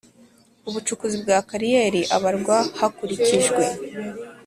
Ubucukuzi bwa kariyeri abarwa hakurikijwe